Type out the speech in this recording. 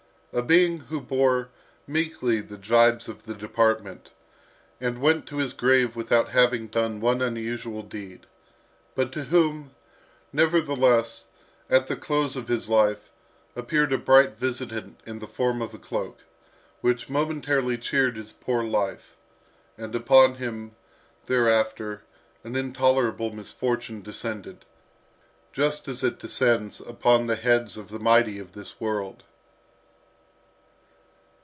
A being who bore meekly the jibes of the department, and went to his grave without having done one unusual deed, but to whom, nevertheless, at the close of his life, appeared a bright visitant in the form of a cloak, which momentarily cheered his poor life, and upon him, thereafter, an intolerable misfortune descended, just as it descends upon the heads of the mighty of this world!